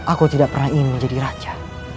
aku tidak pernah ingin menjadi raja